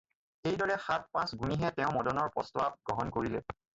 এই দৰে সাত-পাঁচ গুনিহে তেওঁ মদনৰ প্ৰস্তাৱ গ্ৰহণ কৰিলে।